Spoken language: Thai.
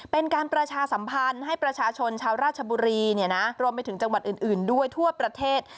เป็นการประชาสัมพันธ์ให้ประชาชนชาวราชบุรีรวมไปถึงจังหวัดอื่นด้วยทั่วประเทศ